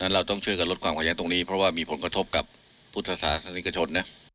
เราต้องช่วยกันลดความขัดแย้งตรงนี้เพราะว่ามีผลกระทบกับพุทธศาสนิกชนนะ